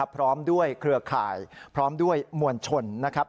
พร้อมด้วยเครือข่ายพร้อมด้วยมวลชนนะครับ